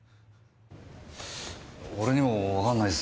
俺にもわかんないっす。